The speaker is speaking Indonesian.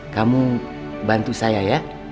kamu bantu saya ya